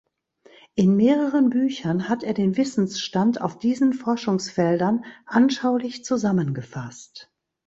In mehreren Büchern hat er den Wissensstand auf diesen Forschungsfeldern anschaulich zusammengefasst.